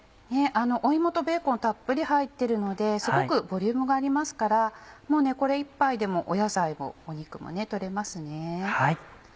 芋とベーコンたっぷり入ってるのですごくボリュームがありますからもうこれ１杯でも野菜も肉も取れますね。